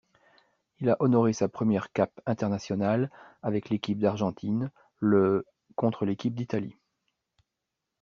Il a honoré sa première cape internationale avec l'équipe d'Argentine le contre l'équipe d'Italie.